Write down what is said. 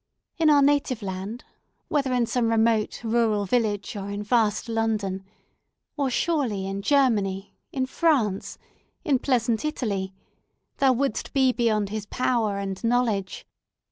In our native land, whether in some remote rural village, or in vast London—or, surely, in Germany, in France, in pleasant Italy—thou wouldst be beyond his power and knowledge!